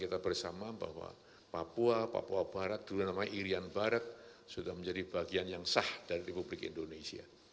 kita bersama bahwa papua papua barat dulu namanya irian barat sudah menjadi bagian yang sah dari republik indonesia